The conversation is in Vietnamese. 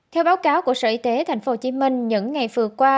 theo báo cáo của sở y tế tp hcm những ngày vừa qua